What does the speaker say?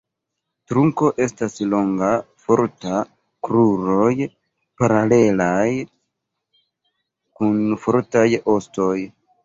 Trunko estas longa, forta; kruroj paralelaj kun fortaj ostoj.